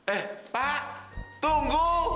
eh pak tunggu